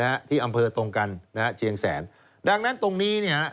ที่อำเภอตรงกันนะฮะเชียงแสนดังนั้นตรงนี้เนี่ย